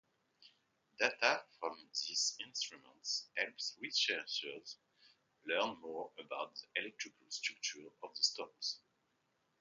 Data from this instrument helps researchers learn more about the electrical structure of storms.